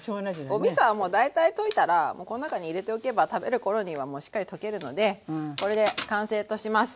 おみそはもう大体溶いたらもうこの中に入れておけば食べる頃にはもうしっかり溶けるのでこれで完成とします。